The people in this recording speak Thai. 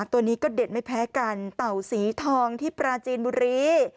ตัวนี้ก็เด็ดไม่แพ้กันเต่าสีทองที่ปราจีนบุรี